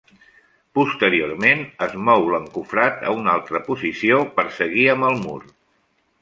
Posteriorment, es mou l'encofrat a una altra posició per seguir amb el mur.